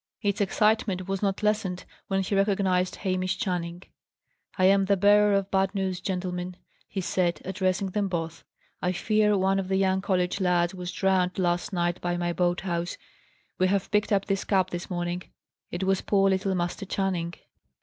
Its excitement was not lessened when he recognized Hamish Channing. "I am the bearer of bad news, gentlemen," he said, addressing them both. "I fear one of the young college lads was drowned last night by my boat house. We have picked up his cap this morning. It was poor little Master Channing."